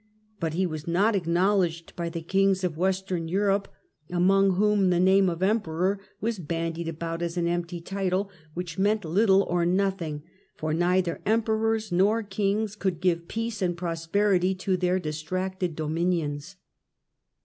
But he was not acknowledged by the kings of Western Europe, among whom the name of Emperor was bandied about as an empty title, which meant little or nothing, for neither Emperors nor kings could give peace and prosperity to their distracted dominions.